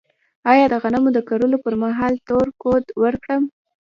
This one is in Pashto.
آیا د غنمو د کرلو پر مهال تور کود ورکړم؟